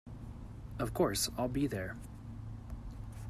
Of course, I’ll be there!